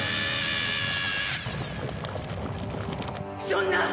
そんな！